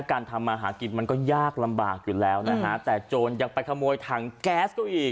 ทำมาหากินมันก็ยากลำบากอยู่แล้วนะฮะแต่โจรยังไปขโมยถังแก๊สก็อีก